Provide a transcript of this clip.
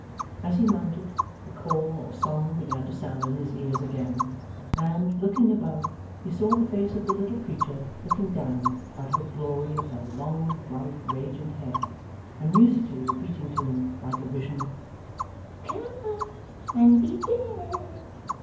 As he mounted, the call or song began to sound in his ears again, and, looking above, he saw the face of the little creature looking down out of a Glory of her long bright radiant hair, and musically repeating to him, like a vision: 'Come up and be dead!